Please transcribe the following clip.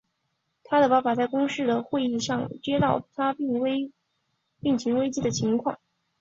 他的爸爸在公司的会议上接到了他病情危机的情况。